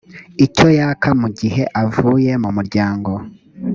icyo yaka mugihe avuye mu muryango